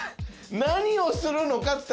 何をするのか？